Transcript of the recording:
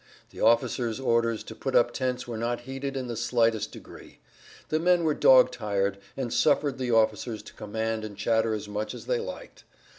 The officers' orders to put up tents were not heeded in the slightest degree. The men were dog tired, and suffered the officers to command and chatter as much as they liked.